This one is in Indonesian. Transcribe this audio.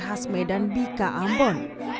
hasme dan bika ambon